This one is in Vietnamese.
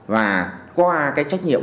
và qua trách nhiệm